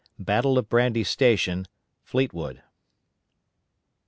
BATTLE OF BRANDY STATION (FLEETWOOD).